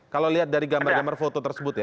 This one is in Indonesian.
kalau lihat dari gambar gambar foto tersebut ya